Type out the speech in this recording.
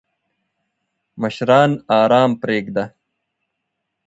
مشران آرام پریږده!